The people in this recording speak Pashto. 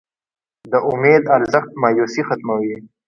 د امید ارزښت مایوسي ختموي.